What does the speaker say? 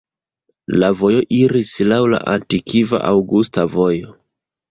La vojo iris laŭ la antikva Aŭgusta Vojo.